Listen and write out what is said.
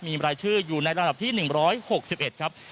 มีรายชื่ออยู่ในระดับที่๑๖๑ครับ